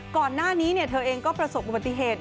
ก่อนหน้านี้เธอเองก็ประสบอุบัติเหตุ